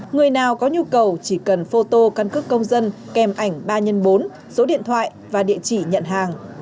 người nào có nhu cầu chỉ cần phô tô căn cứ công dân kèm ảnh ba x bốn điện thoại và địa chỉ nhận hàng